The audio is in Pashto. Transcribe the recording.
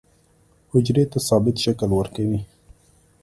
حجرې ته ثابت شکل ورکوي.